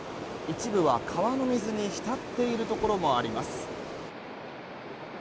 一部は川の水に浸っているところもあります。